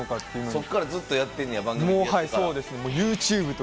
そこからずっとやってんねや。